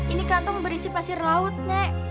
ini kantong berisi pasir laut nek